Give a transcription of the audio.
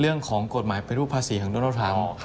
เรื่องของกฎหมายปฏิบัติภาษีของโดนโลธรัม